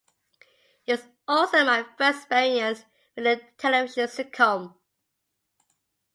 It was also my first experience with a television sitcom.